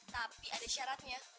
tapi ada syaratnya